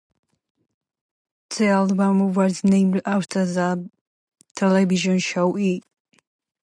The album was named after the television show E!